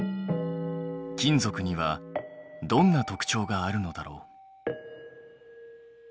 金属にはどんな特徴があるのだろう？